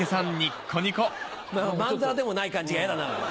まんざらでもない感じがやだな。